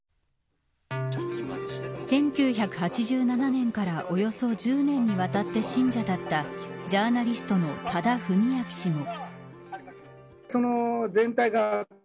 １９８７年からおよそ１０年にわたって信者だったジャーナリストの多田文明氏も。